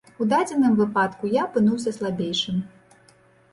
У дадзеным выпадку я апынуўся слабейшым.